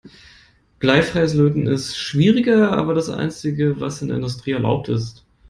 Bleifreies Löten ist schwieriger, aber das einzige, was in der Industrie erlaubt ist.